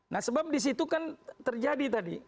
nah sebab di situ kan terjadi tadi